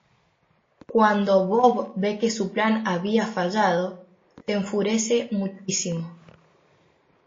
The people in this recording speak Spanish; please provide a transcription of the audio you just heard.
Cuando Bob ve que su plan había fallado, se enfurece muchísimo.